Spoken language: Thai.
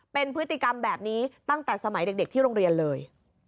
เป็นพฤติกรรมแบบนี้ตั้งแต่สมัยเด็กที่โรงเรียนเลย